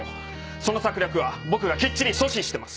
その策略は僕がきっちり阻止してます！